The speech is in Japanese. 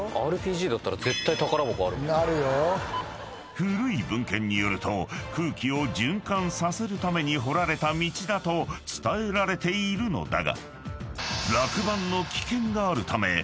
［古い文献によると空気を循環させるために掘られた道だと伝えられているのだが］